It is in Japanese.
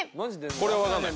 これは分かんない。